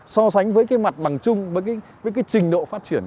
so sánh với cái mặt bằng chung với cái trình độ phát triển